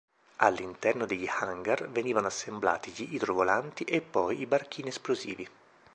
All'interno degli hangar venivano assemblati gli idrovolanti e poi i barchini esplosivi.